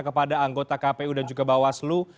kepada anggota kpu dan juga bawaslu